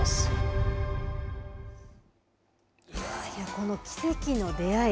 この奇跡の出会い